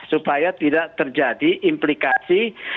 supaya tidak terjadi implikasi